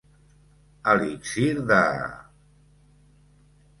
Elixir de...